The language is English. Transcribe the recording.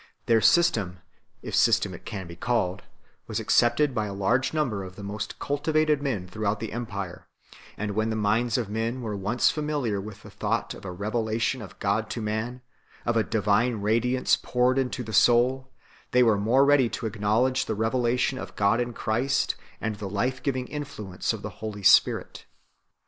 Their system if system it can be called was accepted by a large number of the most cultivated men throughout the empire; and when the minds of men were once familiar with the thought of a revelation of God to man, of a divine radiance poured into the soul, they were more ready to acknowledge the reve lation of God in Christ, and the life giving influence of the Holy Spirit.